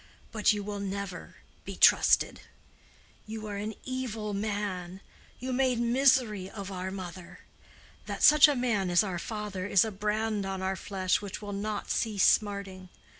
But you will never be trusted. You are an evil man: you made the misery of our mother. That such a man is our father is a brand on our flesh which will not cease smarting.